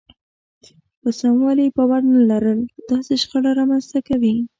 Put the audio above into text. په سموالي يې باور نه لرل داسې شخړه رامنځته کوي.